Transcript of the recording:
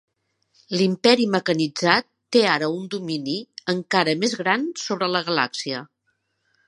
L'imperi mecanitzat té ara un domini encara més gran sobre la galàxia.